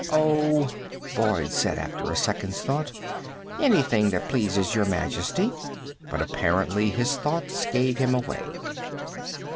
"Oh," Boyd said after a second's thought, "anything that pleases Your Majesty." But, apparently, his thoughts gave him away.